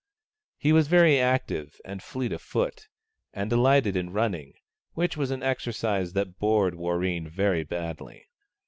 He was very active and fleet of foot, and delighted in running, which was an exercise that bored Warreen very badly.